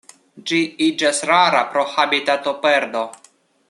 Ĝi iĝas rara pro habitatoperdo.